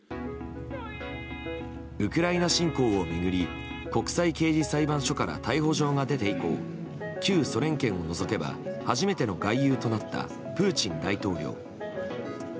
ウクライナ侵攻を巡り国際刑事裁判所から逮捕状が出て以降旧ソ連圏を除けば初めての外遊となったプーチン大統領。